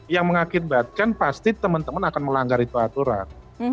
yang mengakibatkan pasti teman teman akan melanggar itu aturan